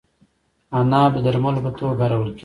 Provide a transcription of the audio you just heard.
عناب د درملو په توګه کارول کیږي.